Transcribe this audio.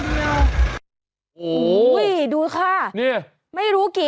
เจ้าเน็ดก็ดูว่ากันนะคะนะค่ะ